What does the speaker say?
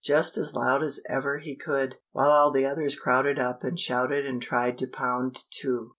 just as loud as ever he could, while all the others crowded up and shouted and tried to pound, too.